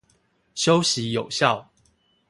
休息有效